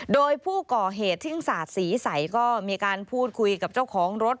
โดยผู้ก่อเหตุทิ้งสาดสีใสก็มีการพูดคุยกับเจ้าของรถ